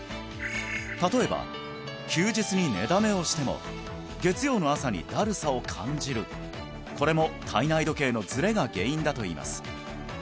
例えば休日に寝だめをしても月曜の朝にだるさを感じるこれも体内時計のズレが原因だといいます